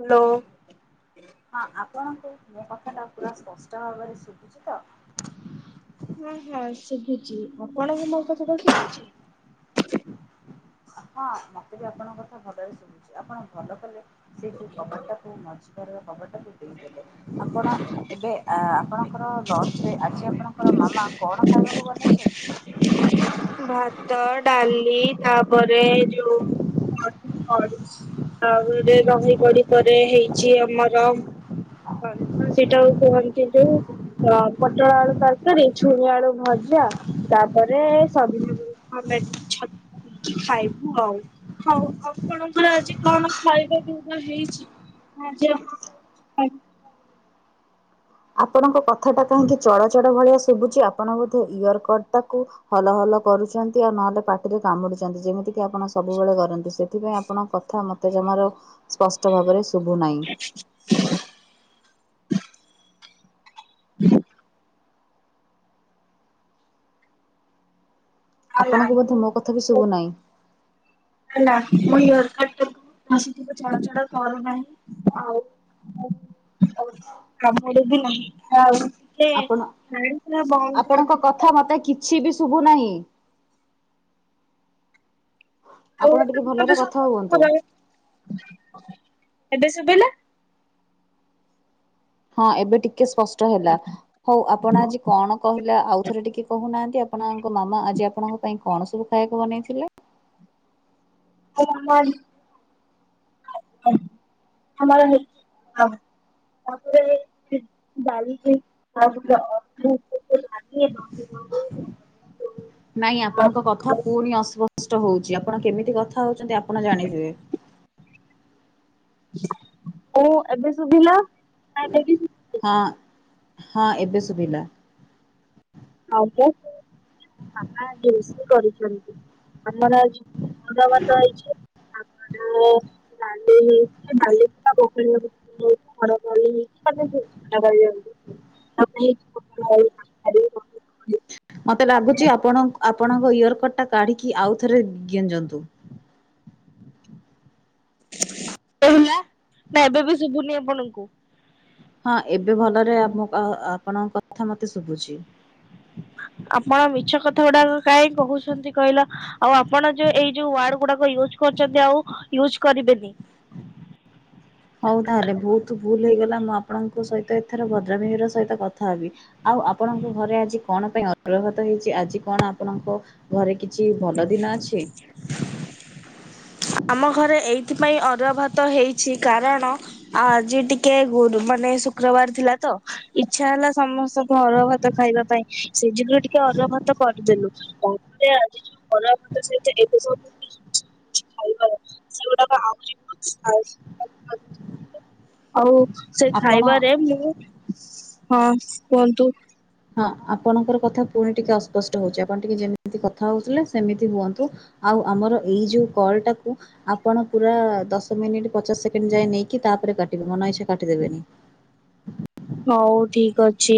Hello ହଁ ଆପଣଙ୍କୁ ମୋ କଥା ଟା ପୁରା ସ୍ପଷ୍ଟ ଭାବରେ ଶୁଭୁଚି ତ? ହୁଁ [inaudible] ଚି ମୁଁ ପଳେଇଗଲେ ଏଥର ଠିକ ଶୁଭୁଚି ହଁ ମତେ ବି ଆପଣଙ୍କ କଥା ଭଲରେ ଶୁବୁଚି ଆପଣ ଭଲ କଲେ ସେ ଯୋଉ କବାଟଟାକୁ ମଝି ଘରର କବାଟାକୁ ଦେଇଦେଲେ। ଆପଣ ଏବେ ଆ ଆପଣଙ୍କର ଲଞ୍ଚରେ ଆଜି ଆପଣଙ୍କର ମାମା କଣ ଖାଇବାକୁ ବନେଇଚନ୍ତି। [inaudible] ହ ଭାତ ଡାଲି ତାପରେ ଯୋଉ ଦହିକଡି। ଆପରେ ଦହିକଡି ପରେ ହେଇଛି ଆମର ଣ ସେଇଟା କୁହନ୍ତି ଯୋଉ ଅ ପୋଟଳ ଆଳୁ ତରକାରୀ ଛୁଇଁ ଆଳୁ ଭଜ। ଯା ତାପରେ [unintelligible] ଖାଇବୁ ଆଉ ହଉ ଆପଣଙ୍କର ଆଜି କଅଁ କଣ ଖାଇବା ପିଇବା ହେଇଚି ଆଜି ଆପଣଙ୍କ [unintelligible] ଆପଣଙ୍କ କଥା ଟା କାହିଁକି ଚଡ ଚଡ ଭଳିଆ ଶୁଭୁଚି ଆପଣ ବୋଧେ ଇୟରକଡ ଟାକୁ ହଲ ହଲ କରୁଚନ୍ତି, ଆଉ ନହେଲେ ପାଟିରେ କାମୁଡୁଚନ୍ତି, ଯେମିତି ଆପଣ ସବୁବେଳେ କରନ୍ତି, ସେଥିପାଇଁ ଆପଣଙ୍କ କଥା ମତେ ଜମାରୁ ସ୍ପଷ୍ଟ ଭାବରେ ଶୁଭୁନାଇଁ। [unintelligible] ଆପଣଙ୍କୁ ବୋଧେ ମୋ କଥା ବି ଶୁଭୁନାହିଁ। ମୁଁ ଇୟରକଡ [unintelligible] ଚଡ଼ ଚଡ କରୁନାହିଁ, ଆଉ [inaudible] ଆମର ବି ନାହିଁ [inaudible] ଆପଣ, ଶାଢୀ ପୁରା ବନ୍ଦ ଆପଣଙ୍କ କରିଦେଲି ତ କଥା ମତେ କିଛିବି ଶୁ ଶୁଭୁ ନାହିଁ। ଆଉ ଆପଣ ଟିକେ ମତେ ଭଲରେ କଥା ଶୁଭୁଚି ହୁଅନ୍ତୁ। ପୁରା ଏବେ ଶୁଭିଲା। ହଁ ଏବେ ଟିକେ ସ୍ପ ଷ୍ଟ ହେଲା ହଉ ଆପଣ ଆଜି କଣ କହିଲା ଆଉ ଥରେ ଟିକେ କହୁନାହାନ୍ତି ଆପ ଆପଣଙ୍କ ମାମା ଆଜି ଆପଣଙ୍କ ପାଇଁ କଣ ସବୁ ଖାଇବାକୁ ବନେଇଥିଲେ? [unintelligible] ଆମର ହେଇଚି ଆଉ। ତାପରେ ଡାଲି ହେଇଚି ଆଉ କିଛି [unintelligible] ନାଇଁ ଆପଣଙ୍କ କଥା ପୁଣି ଅସ୍ପ ଷ୍ଟ ହଉଚି ଆପଣ କେମିତି କଥା ହଉଚନ୍ତି ଆପଣ ଜାଣିଥିବେ। ଓ ଏବେ ଶୁଭିଲା, ନା ଏଟାବି ହଁ ହଁ ଏବେ ଶୁଭିଲା। ଆଉ ମୁଁ ମାମା ଆଜି ରୋଷେଇ କରିଛନ୍ତି, ଆମର ଆଜି ଅରୁଆ ଭାତ ହେଇଚି। ଆଉ ଡାଲି ହେଇଚି ଡାଲି [unintelligible] [inaudible] ଡାଲି ପୋଟଳ ଆଳୁ ତରକାରୀ [unintelligible] ମତେ ଲାଗୁଚି ଆପଣଙ୍କ୍ ଆପଣଙ୍କ ଇୟରକଡ ଟା କାଢି କି ଆଉ ଥରେ ଗେଂଜନ୍ତୁ। ହେଲା ନା ଏବେ ବି ଶୁଭୁନି ଆପଣଙ୍କୁ। ହଁ ଏବେ ଭଲରେ ଆମ ଆ ଆ ଆପଣଙ୍କ କଥା ମତେ ଶୁଭୁଚି। ଆପଣ ମିଛ କଥା ଗୁଡାକ କାଇଁ କହୁଛନ୍ତି କହିଲ ଆଉ ଆପଣ ଯୋଉ ଏଇ ଯୋଉ ୱାର୍ଡ ଗୁଡାକ ଇଉଜ୍ କ କରୁଚନ୍ତି, ଆଉ ୟୁଜ କରିବେନି। ହଉ ତାହେଲେ ବହୁତୁ ଭୁଲ ହେଇଗଲା ମୁଁ ଆପଣଙ୍କ ସହିତ ଏଥର ଭଦ୍ରାମିର ସହିତ କଥାହେବି, ଆଉ ଆପଣଙ୍କୁ ଘରେ ଆଜି କଣ ପାଇଁ ଅରୁଆ ଭାତ ହେଇଚି, ଆଜି କଣ ଆପଣଙ୍କ ଘରେ କି କିଛି ଭଲ ଦିନ ଅଛି। ଆମ ଘରେ ଏଇଥିପାଇଁ ଅରୁଆ ଭାତ ହେଇଚି କାରଣ ଆଜି ଟିକେ ଗରୁବାର୍ ନାଇଁ ଶୁକ୍ରବାର ଥିଲା ତ ଇଛା ହେଲା ସମସ୍ତଙ୍କୁ ଅରୁଆ ଭାତ ଖାଇବା ପାଇଁ ସେଇ ଯୋଗୁରୁ ଟିକେ ଅରୁଆ ଭା ଭାତ କରିଦେଲୁ ଆଜି [unintelligible] ଖାଇବାର ସେଗୁଡାକ ଆହୁରି [unintelligible] ଆଉ ସେ ଆପଣ ଖାଇବାରେ ମୁଁ, ହଁ କୁହନ୍ତୁ। ହଁ ଆପଣଙ୍କର କଥା ପୁଣି ଟିକେ ଅସ୍ପଷ୍ଟ ହଉଛି, ଆପଣ ଟିକେ ଯେମିତି କଥା ହଉଥିଲେ ସେମିତି ହୁଅନ୍ତୁ, ଆ ଆଉ ଆମର ଏଇ ଯୋଉ କଲ ଟାକୁ ଆପଣ ପୁରା ଦଶ ମିନିଟ ପଚାଶ ସେକଣ୍ଡ ଯାଏ ନେଇକି ତାପରେ କାଟିବେ, ମନ ଇଛା କାଟି ଦେବେନି। ହଉ ଠିକ ଅଛି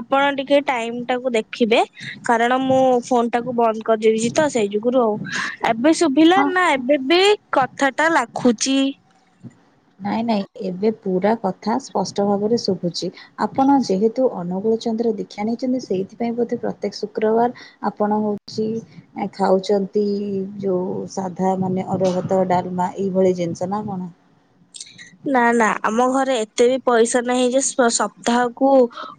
ଆପଣ ଟିକ ଟିକେ ଟାଇମ ଟାକୁ ଦେଖିବେ କାରଣ ମୁଁ ଫୋନ ଟାକୁ ବନ୍ଦ କରିଦେଇବିଛି ତ ସେଇ ଯୁଗୁରୁ ଆଉ। ଏବେ ଶୁଭିଲା ହଁ ନା ଏବେ ବି କଥା ଟା ଲାଖୁଚି? ନାଇଁ ନାଇଁ ଏବେ ପୁରା କଥା ସ୍ପଷ୍ଟ ଭାବରେ ଶୁଭୁଚି, ଆପଣ ଯେହେତୁ ଅନୁଗୁଳ ଅନୁକୂଳ ଚଦ୍ର ଦୀକ୍ଷା ନେଇଛନ୍ତି ସେଇଥିପାଇଁ ବୋଧେ ପ୍ରତ୍ୟେକ ଶୁକ୍ରବାର ଆପଣ ହୋଇଛି ଖାଉଛନ୍ତି ଛନ୍ତି ଯୋଉ ସାଧା ମାନେ ଅରୁଆ ଭାତ ଡାଲମା ଏଇ ଭଳି ଜିନିଷ ନା କଣ? ନା ନା ଆମ ଘରେ ଏତେ ବି ପଇସା ନାହିଁ ଯେ ସପ୍ତାହକୁ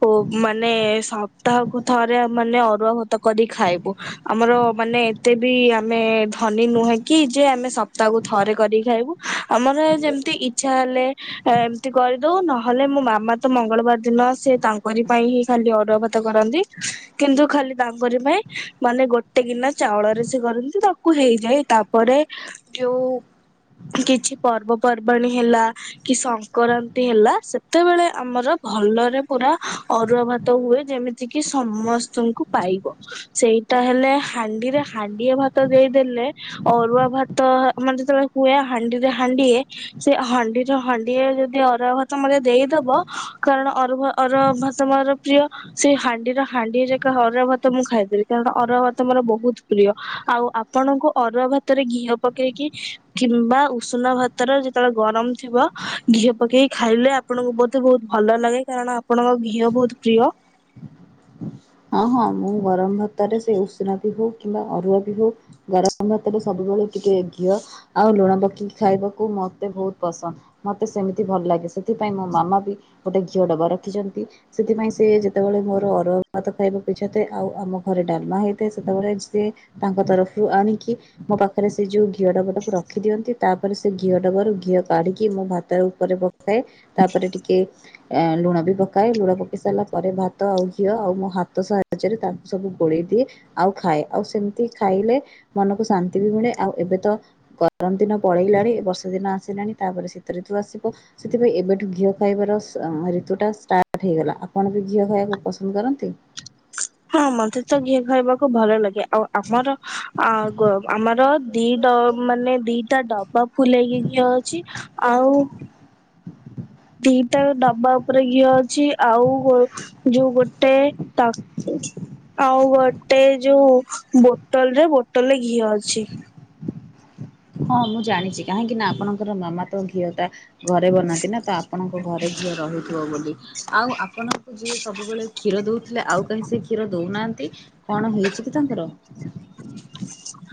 ଓ ମାନେ ସପ୍ତାହକୁ ଥରେ ମାନେ ଅରୁଆ ଭାତ ଭାତ କରି ଖାଇବୁ ଆମର ମାନେ ଏତେ ବି ଆମେ ଭା ଧନୀ ନୁହେଁ କି ଯେ ଆମେ ସପ୍ତାହକୁ ଥରେ କରିକି ଖାଇବୁ ଆମର ଯେମିତି ଇ ମାନେ ଏମତି କରିଦଉ ନହେଲେ ମୋ ମାମା ତ ମଙ୍ଗଳବାର ଦିନ ସେ ତାଙ୍କରି ପାଇଁ ହିଁ ଖାଲି ଅରୁଆ ଅରୁଆ ଭାତ କରନ୍ତି କିନ୍ତୁ ଖାଲି ତାଙ୍କର ପାଇଁ ମାନେ ଗୋଟେ ଗିନା ଚାଉଳରେ ସେ କରନ୍ତି। ତାଙ୍କୁ ହେଇଯାଏ ତାପରେ ଯୋଉ କିଛି ପର୍ବପର୍ବାଣୀ ହେଲା କି ସଂକ୍ରାନ୍ତି ହେଲା ସେତେବେଳେ ଆମର ଭଲରେ ପୁରା ଅରୁଆ ଭାତ ହୁଏ ଯେମିତି କି ସମସ୍ତଙ୍କୁ ପାଇବ ସେଇଟା ହେଲେ ହାଣ୍ଡିରେ ହାଣ୍ଡିଏ ଭାତ ଦେଇଦେଲେ ଅରୁଆ ଭାତ ମାନେ ଯେତେବେଳେ ହୁଏ ହାଣ୍ଡିରେ ହାଣ୍ଡିଏ ସେ ହାଣ୍ଡିର ହାଣ୍ଡିଏ ଯଦି ଆରୁଆ ଭାତ ମତେ ଦେଇଦବ କାରଣ ଅରୁ ଅରୁଆ ଭାତ ପ୍ରିୟ ସେଇ ହାଣ୍ଡିର ହାଣ୍ଡିଏ ଯାକ ଅରୁଆ ଭାତ ମୁଁ ଖାଇଦେବି କାରଣ ଅରୁଆ ଭାତ ମୋର ବହୁତ ପ୍ରିୟ। ଆଉ ଆପଣଙ୍କୁ ଅରୁଆ ଭାତରେ ଘିଅ ପକେଇକି କିମ୍ବା ଉଷୁନା ଭାତରେ ଯେ ଯେତେବେଳେ ଗରମ ଥିବ ଘିଅ ପକେଇକି ଖାଇଲେ ଆପଣଙ୍କୁ ବୋଧେ ବହୁତ ଭଲ ଲାଗେ କାରଣ ଆପଣଙ୍କ ଘିଅ ବହୁତ ପ୍ରିୟ। ହଁ ହଁ ମୁଁ ଗରମ ଭାତରେ ସେ ଉଷୁନା ବି ହଉ କିମ୍ବା ଅରୁଆ ବି ହଉ ଗରମ ଭାତରେ ସବୁ ଭଳି ଟିକେ ଘିଅ ଆଉ ଲୁଣ ପକେଇକି ଖାଇବାକୁ ମତେ ବହୁତ ପସନ୍ଦ ମତେ ସେମିତି ଭଲ ଲାଗେ। ସେଥିପାଇଁ ମୋ ମାମା ବି ଗୋଟେ ଘିଅ ଡବା ରଖିଛନ୍ତି ସେଥିପାଇଁ ସେ ଯେତେବେଳେ ମୋର ଅରୁଆ ଭାତ ଖାଇବାକୁ ଇଛା ଥାଏ ଆଉ ଆମ ଘରେ ଡାଲମା ହେଇଥାଏ ସେତେବେଳେ ସିଏ ତାଙ୍କ ତରଫରୁ ଆଣିକି ମୋ ପାଖରେ ସେ ଯୋଉ ଘିଅ ଡବାଟାକୁ ରଖିଦିଅନ୍ତି ତାପରେ ସେ ଘିଅ ଦବାରୁ ଘିଅ କାଢିକି ମୋ ଭାତ ଉପରେ ପକାଏ ତାପରେ ଟିକେ ଲୁଣ ବି ପକାଏ ଲୁଣ ପକେଇ ସାରିଲା ପରେ ଭାତ ଆଉ ଘିଅ ଆଉ ମୋ ହାତ ସାହାଯ୍ୟରେ ତାଙ୍କୁ ସବୁ ଗୋଳେଇ ଦିଏ ଆଉ ଖାଏ ଆଉ ସେମିତି ଖାଇଲେ ମନକୁ ଶାନ୍ତି ମିଳେ ଆଉ ଏବେ ତ ଗରମ ଦିନ ପଳେଇଲାଣି ବର୍ଷା ଦିନ ଆସିଲାଣି ତାପରେ ଶୀତ ଋତୁ ଆସିବ। ସେଥିପାଇଁ ଏବେଠୁ ଘିଅ ଖାଇବାର ସ ଋତୁଟା ଷ୍ଟାର୍ଟ ହେଇଗଲା ଆପଣ ବି ଘିଅ ଖାଇବାକୁ ପସନ୍ଦ କର ତେ ହଁ ମତେ ତ ଘିଅ ଖାଇବାକୁ ଭଲ ଲାଗେ ଆଉ ଆମର ଅ ଆମର ଦିଟା ମାନେ ଦିଟା ଡବା ଫୁଲେଇକିି ଘିଅ ଅଛି ଆଉ ଦିଇଟାଯାକ ଦବା ଉପରେ ଘିଅ ଆଉ ଯୋଉ ଗୋଟେ ଆଉ ଗୋଟେ ଗୋଟେ ଯୋଉ ବୋଟଲ ରେ ବୋଟଲଟେ ଘିଅ ଅଛି। ହଁ ମୁଁ ଜାଣିଛି କାହିଁକି ନା ଆପଣଙ୍କର ମାମା ତ ଘିଅ ତା ଘରେ ବନାନ୍ତି ନା ତ ଆପଣଙ୍କ ଘରେ ଘଅ ରହୁଥିବ ବୋଲି ଆଉ ଆପଣଙ୍କୁ ଯିଏ ସବୁବେଳେ କ୍ଷୀର କି ଦଉଥିଲେ ଆଉ କାହିଁ ସେ କ୍ଷୀର ଦଉନାହାନ୍ତି କଣ ହେଇଛି କି ତାଙ୍କର?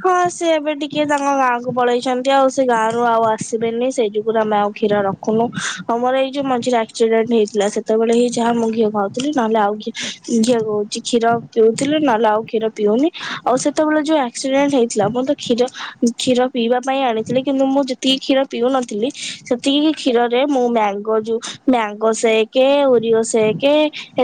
ହଁ ସେ ଏବେ ଟିକେ ତାଙ୍କ ଗାଁ କୁ ପଳେଇଛନ୍ତି ଆଉ ସେ ଗାଁରୁ ଆଉ ଆସିବେନି ସେ ଯୁଗୁରୁ ଆମେ ଆଉ କ୍ଷୀର ରଖୁନୁ ଆମର ଏଇ ଯୋଉ ମଝିରେ ଆକ୍ସିଡେଣ୍ଟ ହେଇଥିଲା ସେତବେଳେ ହିଁ ଯାହା ମୁଁ ଘିଅ ଖାଉଥିଲି ନହେଲେ ଘିଅ କହୁଛି କ୍ଷୀର ପିଉଥିଲି ନହେଲେ ଆଉ କ୍ଷୀର ପିଉନି ଆଉ ସେତେବେଳେ ଯୋଉ ଆକ୍ସିଡେଣ୍ଟ ହେଇଥିଲା ମୁଁ ତ କ୍ଷୀର କ୍ଷୀର ପିଇବା ପାଇଁ ଆଣିଥିଲି କିନ୍ତୁ ମୁଁ ଯେତିକି କ୍ଷୀର ପିଉନଥିଲି ସେତିକି କ୍ଷୀରରେ ମୁଁ ମ୍ୟାଙ୍ଗୋ ଯୋଉ ମ୍ୟାଙ୍ଗୋ ସେକେ ଓରିଓ ସେକେ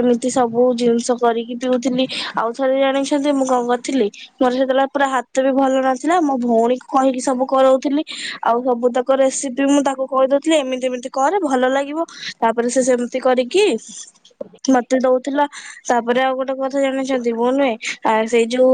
ଏମିତି ସବୁ ଜିନିଷ କରିକି ପିଉଥିଲି ଆଉ ଥରେ ଜାଣିଛନ୍ତି। ମୁଁ କଣ କରିଥିଲି। ମୋର ସେତେବେଳେ ପୁରା ହାତ ବି ଭଲ ନଥିଲା। ମୋ ଭଉଣୀ କହିକି ସବୁ କରଉଥିଲି। ଆଉ ସବୁ ତାଙ୍କ ରେସିପି ମୁଁ ତା ତାକୁ କହିଦଉଥିଲେ। ଏମିତି ଏମିତି କରେ ଭଲ ଲାଗିବ ତାପରେ ସେ ସେମିତି କରିକି ମତେ ଦଉଥିଲା ତାପରେ ଆଉ ଗୋଟେ କଥା ଜାଣିଛନ୍ତି। ମୁଁ ନୁହେଁ ଆ ସେଇ ଯୋଉ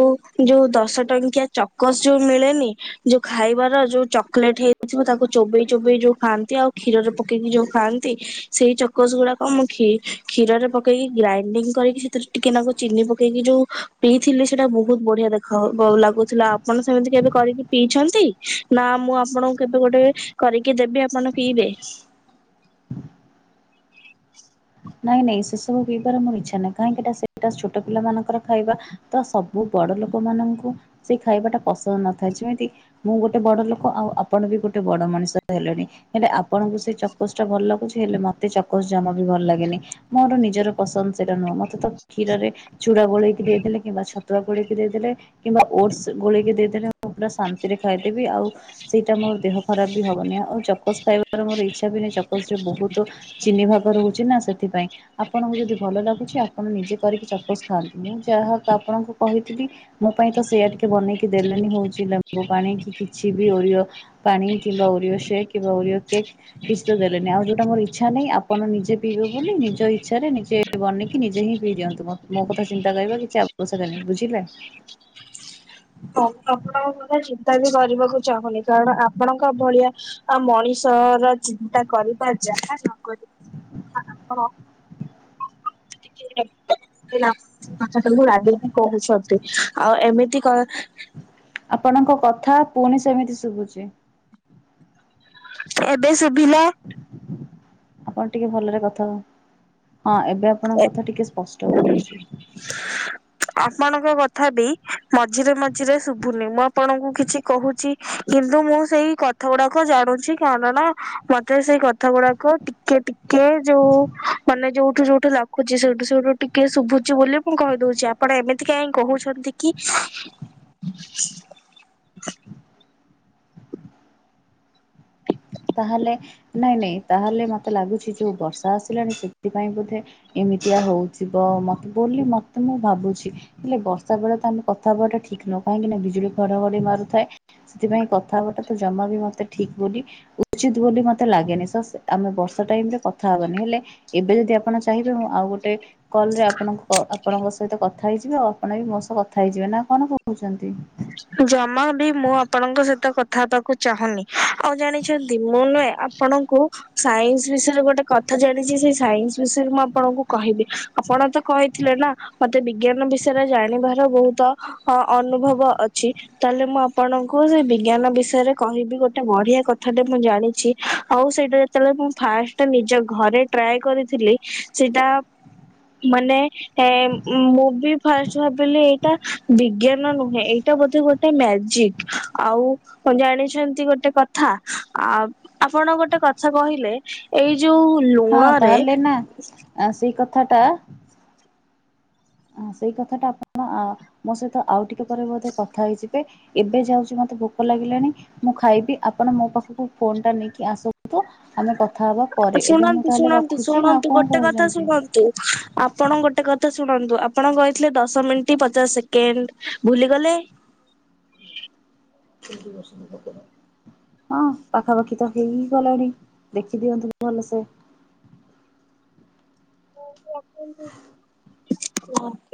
ଯୋଉ ଦଶ ଏମିତିଆ ଚକୋସ ଯୋଉ ମିଳେ ନି। ଯୋଉ ଖାଇବାର ଯୋଉ ଚକଲେଟ ହେଇଥିବ। ତାକୁ ଚୋବେଇ ଚୋବେଇ ଯୋଉ ଉ, ଖାଆନ୍ତି ଆଉ କ୍ଷୀରରେ ପକେଇକି ଯୋଉ ଖାଆନ୍ତି। ସେଇ ଚକୋସ ଗୁଡାକ ମୁଁ କି କ୍ଷୀରରେ ପକେଇକି ଗ୍ରାଇଣ୍ଡିଙ୍ଗ କରିକି ସେଥିରେ ଟିକେ ନା ଚିନି ପକେଇକି ଯୋଉ ପିଇଥିଲି। ସେଟ ବହୁ ବଢିଆ ଦେଖାଯାଉ ଲାଗୁଥିଲା ଆପଣ ସେମିତି କେବେ କରିକି ପିଇଛନ୍ତି। ନା, ମୁଁ ଆପଣଙ୍କୁ କେବେ ଗୋଟେ କରିକି ଦେବେ ଆପଣ ପିଇବେ। [inaudible] ନାଇଁ ନାଇଁ ସେସବୁ ପିଇବାର ମଁ ଇଚ୍ଛା ନାହିଁ। କାହିଁିଟ ସେଟା ଛୋଟ ପିଲାମାନଙ୍କର ଖାଇବା ତ ସବୁ ବଡ ଲୋକ ମାନଙ୍କୁ ସେ ଖାଇବାଟା ପସନ୍ଦ ନଥାଏ। ଯେମିତି ମୁଁ ଗୋଟେ ବଡ ଲୋକ ଆଉ ଆପଣ ବି ଗୋଟେ ବଡ ମଣିଷ ହେଲେଣି ହେଲେ ଆପଣଙ୍କୁ ସେ ଚକସ ଟା ଭଲ ଲାଗୁଛି। ହେଲେ ମତେ ଚକସ ଜମା ବି ଭଲ ଲାଗୁଛି। ମୋର ନିଜର ପସନ୍ଦ ସେଟ ନୁହଁ। କ୍ଷୀରରେ ଚୁଡା ଗୋଳେଇକି ଦେଇ ଦେେଲେ, କିମ୍ବା ଛତୁଆ ଗୋଳକି ଦେଇେଲେ, କିମ୍ବା ଓଟସ ଗୋଳେଇକ ଦେଇଲେ ରେ ମୁଁ ପୁରା ଶାନ୍ତିରେ ଖାଇଦେବି ଆଉ। ସେଇଟା ମୋର ଦେହ ଖରାପ ବି ହବନି। ଆଉ ଚକସ ଖାଇବାର ମୋର ଇଚ୍ଛା ବି ନାହିଁ ଚକସ ରେ ବହୁତ ଚିନହି ଭ ବରଛି। ଆପଣଙ୍କୁ ଯଦି ଭଲ ଲାଗୁଛି ଆପଣ ନିଜେ କରିକି ଚପସ ଖାଆନ୍ତୁ। ମୁଁ, ଯାହା ଆପଣଙ୍କୁ କହିଥିଲି। ମୋ ପାଇଁ ତ ସେୟା ଟିକେ ବନେଇକି ଦେଲେଣିି ହଉଛି ଲେମ୍ବ ପାଣି କିି କିଛି ବି ଓରିଓ ପାଣି କିମ୍ବା ଓରିଓ ସେକ୍ କିମ୍ବା ଓରିଓ କେକ୍ କିଛି ତ ଦେଲେନି। ଆଉ ଯୋଉଟା ମୋର ଇଚ୍ଛା ନାହିଁପଣ ନିଜେ ପିଇବେ ବୋଲି ନିଜ ଇଚ୍ଛାରେ ନିଜେ ବନେଇକି ନିଜେ ହିଁ ପିଇ ଦିନ୍ତୁ। ମୋ କଥା ଚିନ୍ତା କରିବା କିଛି ଆବଶ୍ୟକ ନାହିଁ, ବୁଝିଲ? [inaudible] ହଁ, ଆପଣଙ୍କ କଥା ଚିନ୍ତା ବି କରିବାକୁ ଚାହୁଁନି। କାରଣ, ଆପଣଙ୍କ ଭଳିଆ ମଣିଷ ଚିନ୍ତା କରିବା ଯାହା ନକରି ବା [inaudible] ଆପଣ ସେ କଥାଟା ରାଗିକି କହୁଛନ୍ତି। ଆଉ ଏମିତି କଣ ଆପଣଙ୍କ କଥା ପୁଣି ସେମିତି ଶୁଭୁଛି [inaudible] ଏବେ ଶୁଭିଲା। ଆପଣ ଟିକେ ଭଲରେ କଥା ହ ହଁ, ଏବେ ଆପଣଙ୍କ କଥା ଟିକେ ସ୍ପଷ୍ଟ ହଉଛି। ଆପଣଙ୍କ କଥା ବି ମଝିରେ ମଝିରେ ଶୁଭୁନି। ମୁଁ, ଆପଣଙ୍କୁ କିଛି କହୁଛି କି କିନ୍ତୁ, ମୁଁ ସେଇ କଥା ଗୁଡାକ ଜାଣୁଛି। କାରଣ ନା, ମତେ ସେଇ କଥା ଗୁଡାକ ଟିକେେ କିେ ଯୋଉ ମାନେ ଯୋଉଠୁ ଯୋଉଠୁ ଲାଗୁଛି। ସେଠୁ ସେଠୁ ଟିକେ ଶୁଭୁଛି ବୋଲି ମୁଁ କହିଦଉଛି। ଆପଣ ଏମିତି କହିଁ କହୁଛନ୍ତି। କି [inaudible] ତାହେଲେ ନାଇଁ ନାଇଁ ତାହେଲେ ମତେ ଲାଗୁଛି। ଯୋଉ ବର୍ଷା ଆସିଲାଣି ସେଥିପାଇଁ। ବୋଧେ ଏ ଏମିତିଆ ହଉଥିବ ମତେ ବୋଲି ମତେ ମୁଁ ଭାବୁଛି। ହେଲେ ବର୍ଷା ବେଳେ ତ ଆମେ କଥା ହବାଟା ଠିକ୍ ନ କାହିଁକିନା ବିଜୁଳି ଘଡଘଡି ମାରୁଥାଏ। ସେଥିପାଇଁ କଥାବାର୍ତ୍ତା ତ ଜମା ବି ମତେ ଠିକ ବୋଲି ଉଚିତ ବୋଲି ମତେ ଲାଗେନି ସ ଆମେ ବର୍ଷ ଟାଇମରେ କଥାହବାନି। ହେଲେ ଏବେ ଯଦି ଆପଣ ଚାହିଁବେ ମୁଁ ଆଉ ଗୋଟେ। କଲ ରେ ଆପଣ ଆପଣଙ୍କ ସହିତ କଥା ହେଇଯିବେ। ଆଉ ଆପଣ ବି ମୋ ସହ କଥା ହେଇଯିବେ ନା କଣ କହୁଛନ୍ତି? ଜମା ବି ମୁଁ ଆପଣଙ୍କ ସହିତ କଥା ହେବାକୁ ଚାହୁଁନି। ଆଉ ଜାଣିଛନ୍ତି ମୁଁ ନୁହେଁ ଆପଣଙ୍କୁ ସାଇନ୍ସ ବିଷୟରେ ଗୋଟେ କଥା ଜାଣିଛି। ସେଇ ସାଇନ୍ସ ବିଷୟରେ ମୁଁ ଆପଣଙ୍କୁ କହିବି। ଆପଣ ତ କହିଥିଲେ ନା। ମତେ ବିଜ୍ଞାନ ବିଷୟରେ ଜାଣିବାର ବହୁତ ଅ ଅନୁଭବ ଅ ତାହେଲେ ମୁଁ ଆପଣଙ୍କୁ ସେ ବିଜ୍ଞାନ ବିଷୟରେ କହିବି। ଗୋଟେ ବଢିଆ କଥାଟେ ମୁଁ ଜାଣିଛି। ଆଉ ସେଟା ଯେତେବେଳେ ମୁ ଫାଷ୍ଟ ନିଜ ଘରେ ଟ୍ରାଏ କରିଥିଲି ସେଟା। ମାନେ ଏ ମୁଁ ବି ଫାଷ୍ଟ ଭାବିଲି ଏଇଟା ବିଜ୍ଞାନ ନୁହେଁ। ଏଇ ଗୋଟେ ମଜିକ ଆଉ ଜାଣିଛନ୍ତି। ଗୋଟେ କଥା ଆ ଆପଣ ଗୋଟେ ଗୋଟେ କଥା କହିଲେ ଏଇ ଯୋଉ ଲୁଣରେ ଥାଟା ସେଇ କଥାଟା ଆପଣ ମୋ ସହିତ ଆଉ ଟିକେ ପରେ ବୋଧେ କଥା ହେଇଯିବେ ଏବେ ଯାଉଚି ମୋତେ ଭୋକ ଲାଗିଲାଣି ମୁଁ ଖାଇବି ଆପଣ ମୋ ପାଖକୁ ଫୋନ ଟା ନେଇକି ଆସନ୍ତୁ ଆମେ କ ଥା ହେବା ପରେ ଶୁଣନ୍ତୁ ଶୁଣନ୍ତୁ ଶୁଣନ୍ତୁ କଣ ଗୋଟେ କଥା କହୁଛନ୍ତି? ଶୁଣନ୍ତୁ ଆପଣ ଗୋଟେ କଥା ଶୁଣନ୍ତୁ ଆ ଆପଣ କହିଥିଲେ ଦଶ ମିନିଟ ପଚାଶ ସେକେଣ୍ଡ ଭୁଲିଗଲେ ହଁ ପାଖାପାଖି ତ ହେଇଗଲାଣି ଦେଖି ଦିଅନ୍ତୁ। ଭଲସେ [inaudible] [inaudible]